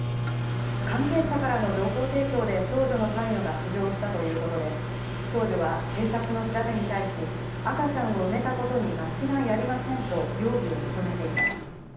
関係者からの情報提供で、少女の関与が浮上したということで、少女は警察の調べに対し、赤ちゃんを埋めたことに間違いありませんと、容疑を認めています。